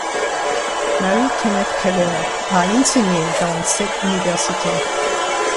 Mary Kenneth Keller a enseigné dans cette université.